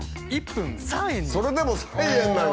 それでも３円なの？